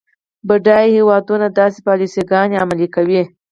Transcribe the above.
بډایه هیوادونه داسې پالیسي ګانې عملي کوي.